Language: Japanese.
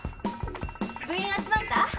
部員集まった？